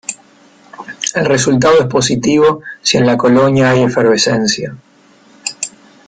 El resultado es positivo si en la colonia hay efervescencia.